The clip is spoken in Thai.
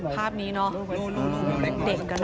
ภาพนี้เนาะ